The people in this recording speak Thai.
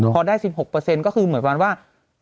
พอได้๑๖ก็คือเหมือนวันว่า